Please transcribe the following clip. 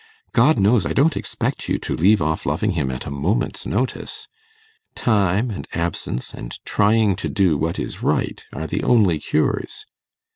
God knows, I don't expect you to leave off loving him at a moment's notice. Time and absence, and trying to do what is right, are the only cures.